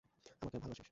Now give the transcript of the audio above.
আমাকে ভালো বাসিস?